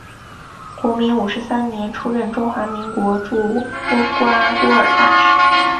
民国五十三年出任中华民国驻厄瓜多尔大使。